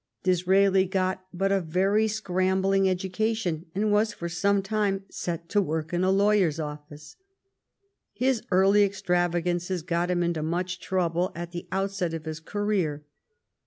Disraeli got but a very scrambling education, and was for some time set to work in a lawyer's office. His early extrava gances got him into much trouble at the outset of his career.